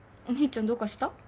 お兄ちゃんどうかした？